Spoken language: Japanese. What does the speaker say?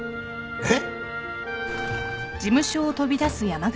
えっ！？